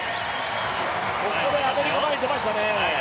ここでアメリカ、前に出ましたね